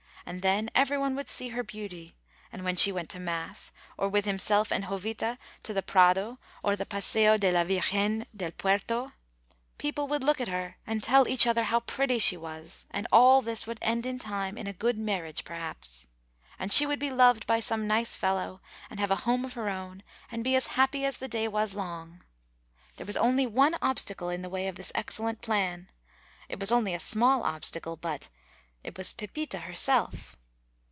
And then every one would see her beauty, and when she went to mass, or with himself and Jovita to the Prado or the Paseo de la Virgen del Puerto, people would look at her and tell each other how pretty she was, and all this would end in time in a good marriage perhaps. And she would be loved by some nice fellow, and have a home of her own, and be as happy as the day was long. There was only one obstacle in the way of this excellent plan; it was only a small obstacle, but it was Pepita herself!